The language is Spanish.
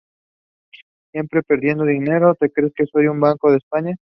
Siempre pidiéndome dinero, ¿te crees que soy el Banco de España?